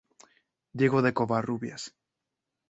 Diego de Covarrubias.